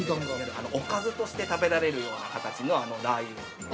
おかずとして食べられるような形のラー油です。